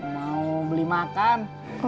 mau beli makan